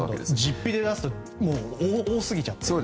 実費で出すと多すぎちゃってと。